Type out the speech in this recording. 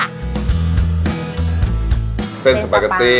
เส้นสปาเกตตี้